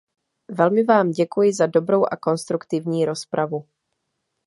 Velmi vám děkuji za dobrou a konstruktivní rozpravu.